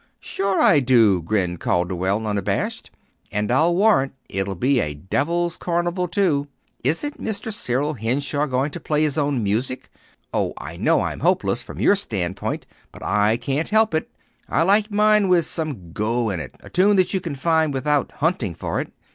"Sure I do," grinned Calderwell, unabashed. "And I'll warrant it'll be a devil's carnival, too. Isn't Mr. Cyril Henshaw going to play his own music? Oh, I know I'm hopeless, from your standpoint, but I can't help it. I like mine with some go in it, and a tune that you can find without hunting for it.